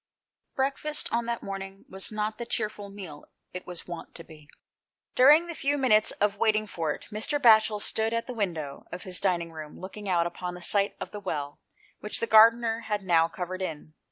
Breakfast on that morning was not the cheerful meal it was wont to be. Buring the few minutes of waiting for it Mr. 'Batchel stood at the window of his dining room looking out upon the site of the well which the gardener had now covered in.